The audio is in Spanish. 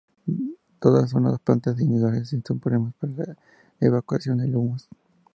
Todas son de plantas individuales y con problemas para la evacuación de humos.